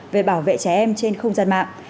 về bảo vệ trẻ em trên không gian mạng